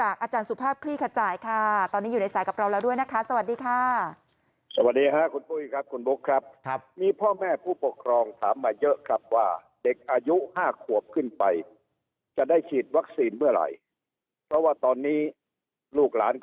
คุณพุยครับคุณบุ๊คครับ